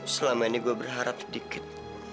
selama ini gue berharap sedikit